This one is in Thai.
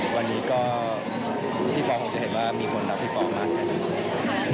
วันนี้ก็พี่ปอคงจะเห็นว่ามีคนรักพี่ปอมากขึ้น